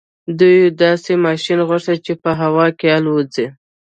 دوی داسې ماشين غوښت چې په هوا کې الوځي.